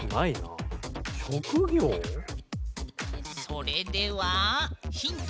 それではヒント。